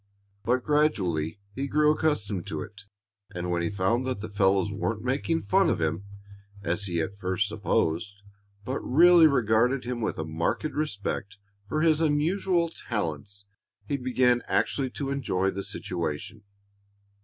But gradually he grew accustomed to it, and when he found that the fellows weren't making fun of him, as he at first supposed, but really regarded him with a marked respect for his unusual talents, he began actually to enjoy the situation.